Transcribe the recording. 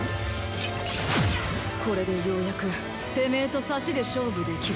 これでようやくてめぇとサシで勝負できる。